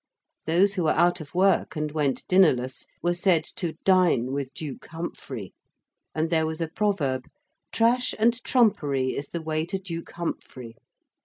Those who were out of work and went dinnerless were said to dine with Duke Humphrey: and there was a proverb 'Trash and trumpery is the way to Duke Humphrey.'